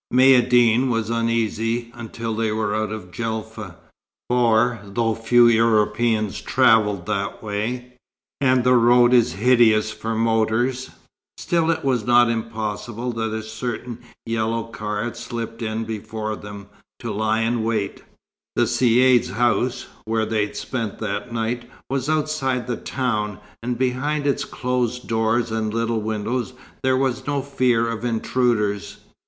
Maïeddine was uneasy until they were out of Djelfa, for, though few Europeans travelled that way, and the road is hideous for motors, still it was not impossible that a certain yellow car had slipped in before them, to lie in wait. The Caïd's house, where they spent that night, was outside the town, and behind its closed doors and little windows there was no fear of intruders.